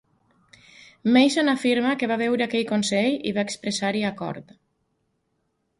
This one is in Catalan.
Mason afirma que va veure aquell consell i va expressar-hi acord.